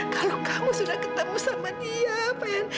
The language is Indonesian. kalau kamu sudah ketemu sama dia pen